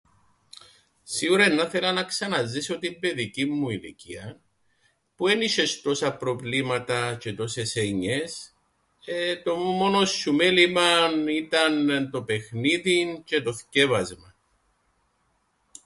Σίουρα εννα 'θελα να ξαναζήσω την παιδική μου ηλικίαν που εν είσ̆ες τόσα προβλήματα τζ̆αι τόσες έννοιες ε το μόνον σου μέλημαν ήταν το παιχνίδιν τζ̆αι το θκιέβασμαν.